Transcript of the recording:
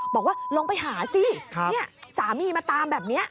บอกว่าลงไปหาสิสามีมาตามแบบนี้